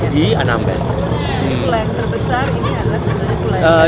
jadi pulau yang terbesar ini adalah sebenarnya pulau yang terbesar